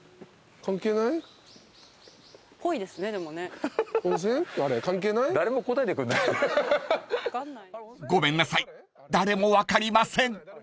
関係ない？［ごめんなさい誰も分かりません］